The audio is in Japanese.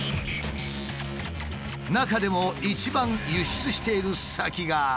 中でも一番輸出している先が。